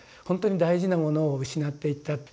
ほんとに大事なものを失っていった。